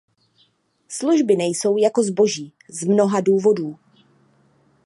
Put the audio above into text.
Služby nejsou jako zboží, z mnoha důvodů.